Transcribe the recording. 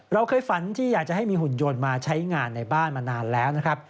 เราเคยฝันที่อยากจะให้มีหุ่นยนต์มาใช้งานในบ้านมานานแล้วนะครับ